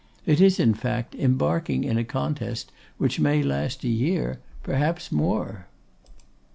It is, in fact, embarking in a contest which may last a year; perhaps more.